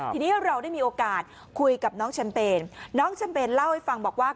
ทีนี้เราได้มีโอกาสคุยกับน้องแชมเปญน้องแชมเปญเล่าให้ฟังบอกว่า